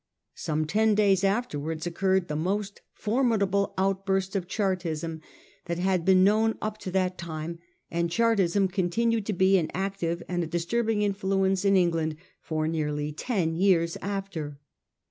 Some ten days afterwards occurred the most formidable out burst of Chartism that had been known up to that time, and Chartism continued to be an active and a disturbing influence in England for nearly ten years after.